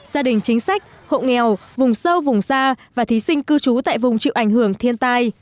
gia đình chính sách hộ nghèo vùng sâu vùng xa và thí sinh cư trú tại vùng chịu ảnh hưởng thiên tai